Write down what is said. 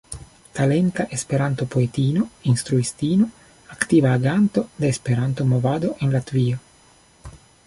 Talenta Esperanto-poetino, instruistino, aktiva aganto de Esperanto-movado en Latvio.